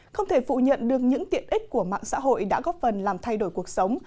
không thể phụ nhận được những tiện ích của mạng xã hội đã góp phần làm thay đổi cuộc sống